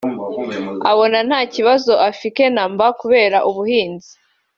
abona nta kibazo afike na mba kubera ubu buhinzi